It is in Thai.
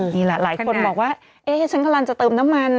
หลายคนบอกว่าเอ๊ะฉันกำลังจะเติมน้ำมัน